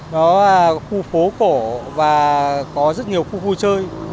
nó là khu phố cổ và có rất nhiều khu vui chơi